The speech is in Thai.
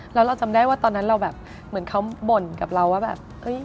แล้วเราจำได้ว่าตอนนั้นเราแบบเหมือนเขาบ่นกับเราว่าแบบ